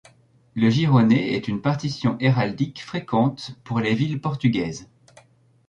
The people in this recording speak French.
Le gironné est une partition héraldique fréquente pour les villes portugaises.